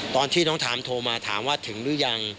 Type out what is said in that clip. ตอนที่น้องทามโทรมาถามว่าถึงหรือยัง